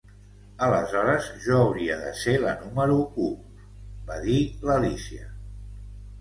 "Aleshores jo hauria de ser la número u", va dir l'Alícia.